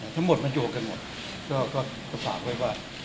ทั้งหมดมันอยู่กันหมดก็ฝากไว้ว่า